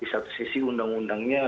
di satu sisi undang undang melarang